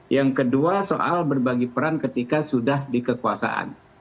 yang kedua soal berbagi peran ketika sudah dikekuasaan